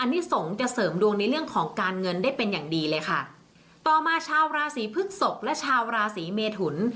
นิสงฆ์จะเสริมดวงในเรื่องของการเงินได้เป็นอย่างดีเลยค่ะต่อมาชาวราศีพฤกษกและชาวราศีเมทุน